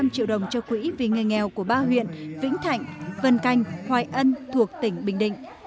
ba trăm linh triệu đồng cho quỹ vì người nghèo của ba huyện vĩnh thạnh vân canh hoài ân thuộc tỉnh bình định